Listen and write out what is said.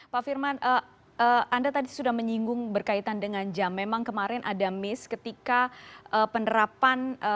pak firman anda tadi sudah menyinggung berkaitan dengan jam memang kemarin ada miss ketika penerapan